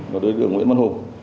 và đối tượng nguyễn văn hồ